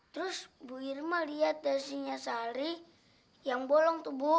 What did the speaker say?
terus bu irma lihat nasinya sari yang bolong tuh bu